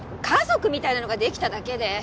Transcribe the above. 家族みたいなのができただけで。